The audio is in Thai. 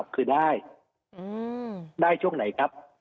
คือได้ได้ช่วงไหนครับ